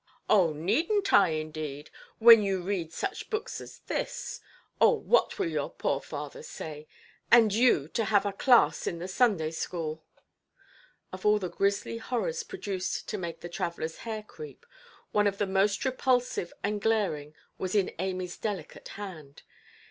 "Oh, neednʼt I, indeed, when you read such books as this! Oh, what will your poor father say? And you to have a class in the Sunday–school"! Of all the grisly horrors produced to make the travellerʼs hair creep, one of the most repulsive and glaring was in Amyʼs delicate hand.